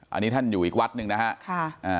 อันนี้ท่านอยู่อีกวัดหนึ่งนะฮะ